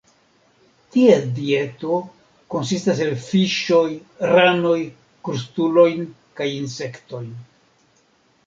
Ties dieto konsistas el fiŝoj, ranoj, krustulojn kaj insektojn.